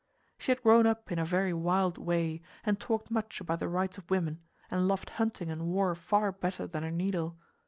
She had grown up in a very wild way and talked much about the rights of women, and loved hunting and war far better than her needle.